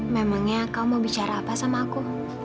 memangnya kamu mau bicara apa sama aku